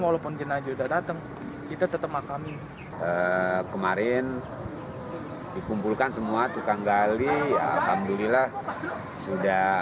walaupun jenajah datang kita tetap makami kemarin dikumpulkan semua tukang gali alhamdulillah sudah